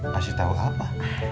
kasih tau apa